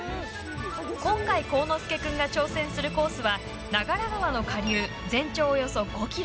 今回、幸之介君が挑戦するコースは長良川の下流全長およそ５ｋｍ。